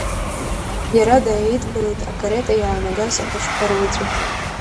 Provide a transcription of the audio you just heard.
Иара дааидгылеит акарета иаанагаз ахәыҷқәа руаӡәык.